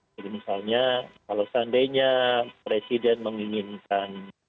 jadi misalnya kalau seandainya presiden menginginkan